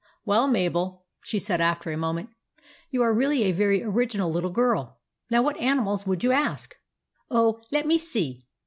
" Well, Mabel," she said, after a moment, "you are really a very original little girl. Now what animals would you ask ?"" Oh, let me see.